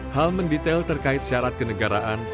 hal mendetail terkait syarat kenegaraan